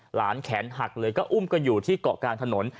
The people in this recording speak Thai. หลานแขนหักเลยก็อุ้มกันอยู่ที่เกาะกลางถนน